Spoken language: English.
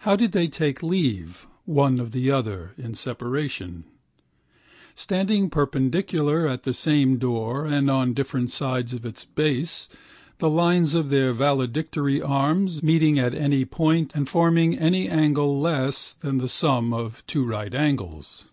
How did they take leave, one of the other, in separation? Standing perpendicular at the same door and on different sides of its base, the lines of their valedictory arms, meeting at any point and forming any angle less than the sum of two right angles.